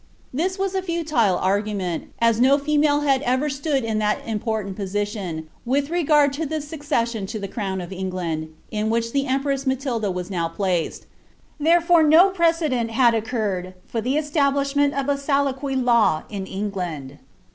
This was a futile argnment, as no female had ever stood in that im portant position, with r^rd to the succession to the crown of England, in which the empress Jnatilda was now placed; therefore no preosdent hid occurred for the establishment of a salique law in England.